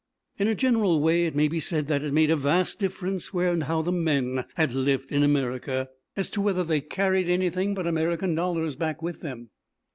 In a general way it may be said that it made a vast difference where and how the men had lived in America, as to whether they carried anything but American dollars back with them.